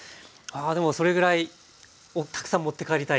でもそれぐらいたくさん持って帰りたい。